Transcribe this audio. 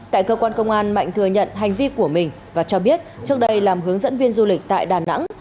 tại cơ quan công an mạnh thừa nhận hành vi của mình và cho biết trước đây làm hướng dẫn viên du lịch tại đà nẵng